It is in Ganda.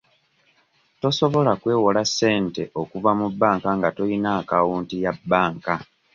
Tosobola kwewola ssente okuva mu banka nga toyina akawunti ya banka.